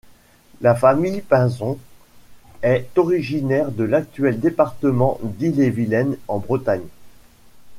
La famille Pinczon est originaire de l'actuel département d'Ille-et-Vilaine en Bretagne.